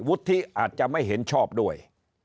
ที่อาจจะไม่เห็นชอบด้วย